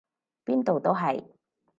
邊度都係！